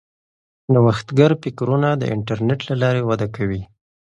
نوښتګر فکرونه د انټرنیټ له لارې وده کوي.